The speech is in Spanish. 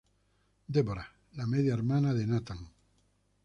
Deborah: la media hermana de Nathan.